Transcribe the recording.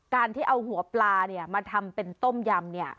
การที่เอาหัวปลามาทำเป็นต้มยำเนี่ย